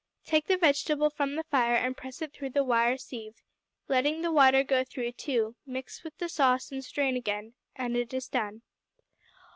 Take the vegetable from the fire and press it through the wire sieve, letting the water go through, too; mix with the sauce and strain again, and it is done.